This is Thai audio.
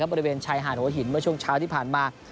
บริเวณชายหาดหัวหินเมื่อช่วงเช้าที่ผ่านมา